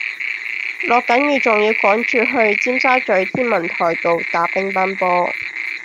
落緊雨仲要趕住去尖沙咀天文台道打乒乓波